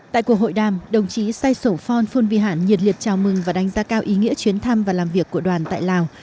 tại cuộc hội đàm đồng chí sai sổ phon phon vy hẳn nhiệt liệt chào mừng và đánh giá cao ý nghĩa chuyến thăm và làm việc của đoàn tại lào